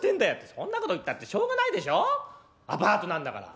「そんなこと言ったってしょうがないでしょうアパートなんだから。